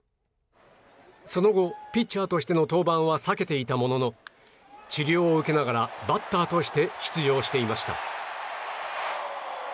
その後、ピッチャーとしての登板は避けていたものの治療を受けながらバッターとして出場していました。